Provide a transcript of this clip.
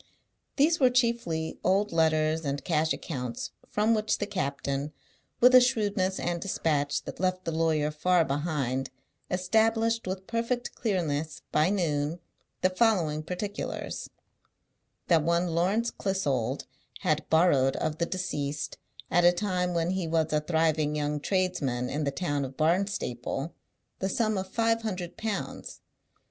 These were chiefly old letters and cash accounts; from which the captain, with a shrewdness and despatch that left the lawyer far behind, established with perfect clearness, by noon, the following particulars: That one Lawrence Clissold had borrowed of the deceased, at a time when he was a thriving young tradesman in the town of Barnstaple, the sum of five hundred pounds.